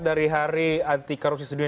dari hari anti korupsi sendiri